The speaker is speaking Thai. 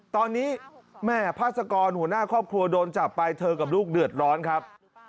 ตอนนี้แม่พาสกรหัวหน้าครอบครัวโดนจับไปเธอกับลูกเดือดร้อนครับ